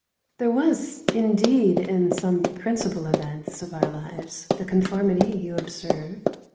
There was indeed in some principal events of our lives the conformity you observe.